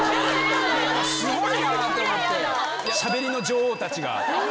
しゃべりの女王たちが。